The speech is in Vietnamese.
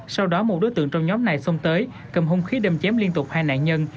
sau đó một đối tượng trong nhóm này xông tới cầm hung khí đâm chém liên tục hai nạn nhân